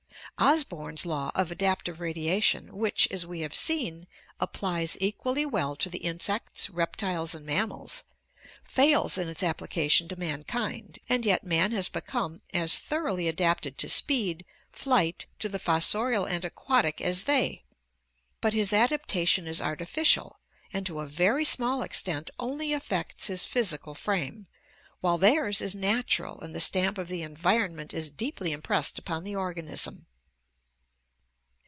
Osborn's law of adaptive radiation, which, as we have seen, applies equally well to the insects, reptiles, and mammals, fails in its application to mankind; and yet man has become as thoroughly adapted to speed, flight, to the fossorial and aquatic as they; but his adaptation is artificial and to a very small extent only affects his physical frame, while theirs is nat ural and the stamp of the environment is deeply impressed upon the organism.